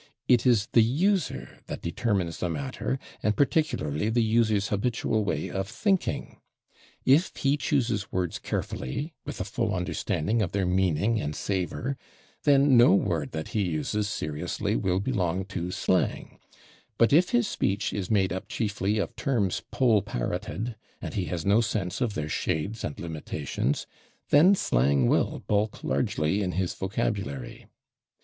It is the user that determines the matter, and particularly the user's habitual way of thinking. If he chooses words carefully, with a full understanding of their meaning and savor, then no word that he uses seriously will belong to slang, but if his speech is made up chiefly of terms poll parroted, and he has no sense of their shades and limitations, then slang will bulk largely in his vocabulary.